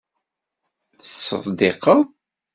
Tettseddiqeḍ?